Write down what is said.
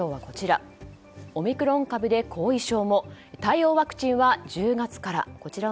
オミクロン株で後遺症も対応ワクチンは１０月から。